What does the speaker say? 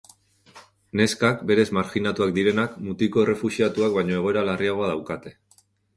Neskak, berez marjinatuak direnak, mutiko errefuxiatuak baino egoera larriagoa daukate.